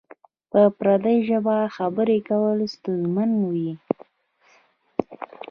په پردۍ ژبه خبری کول ستونزمن وی؟